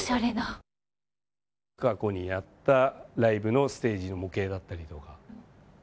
過去にやったライブのステージの模型だったりとか。